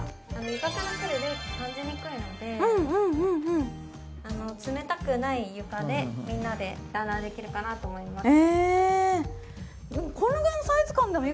床からくる冷気を感じにくいので冷たくない床でみんなで団らんできるかなと思います。